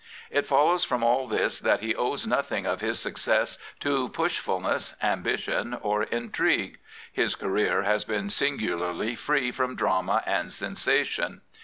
It follows from all this that h^ owes nothing of bis success to pushfulness, ambition, or intrigue. His career has been singularly free from drama and sensation.